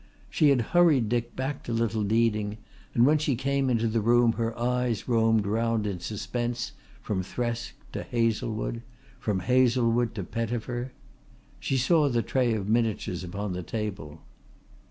She had hurried Dick back to Little Deeding, and when she came into the room her eyes roamed round in suspense from Thresk to Hazlewood, from Hazlewood to Pettifer. She saw the tray of miniatures upon the table.